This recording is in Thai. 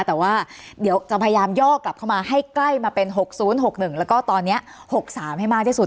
แต่ว่าเดี๋ยวจะพยายามย่อกลับเข้ามาให้ใกล้มาเป็น๖๐๖๑แล้วก็ตอนนี้๖๓ให้มากที่สุด